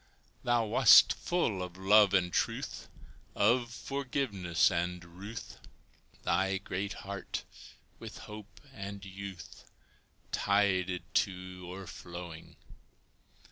Thou wast full of love and truth, Of forgiveness and ruth Thy great heart with hope and youth Tided to o'erflowing.